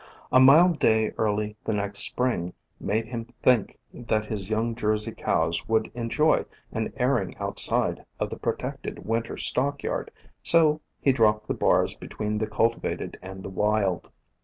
A mild day early the next Spring made him think that his young Jersey cows would enjoy an airing outside of the protected winter stock yard; so he dropped the bars between the cultivated and the wild.